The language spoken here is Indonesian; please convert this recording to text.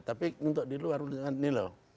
tapi untuk di luar ini loh